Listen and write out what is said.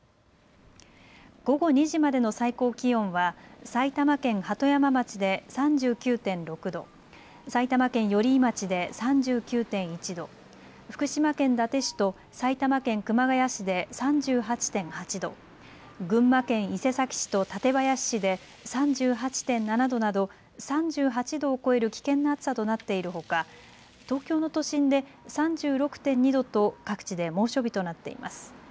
午後２時までの最高気温は埼玉県鳩山町で３９．６度、埼玉県寄居町で３９．１度、福島県伊達市と埼玉県熊谷市で３８．８度、群馬県伊勢崎市と館林市で３８．７度など３８度を超える危険な暑さとなっているほか東京の都心で３６．２度と各地で猛暑日となっています。